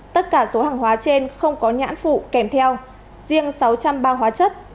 tất cả số hàng hóa trên không có nhãn phụ kèm theo riêng sáu trăm linh bao hóa chất